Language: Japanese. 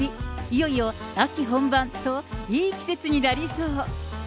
いよいよ秋本番と、いい季節になりそう。